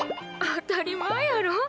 当たり前やろ。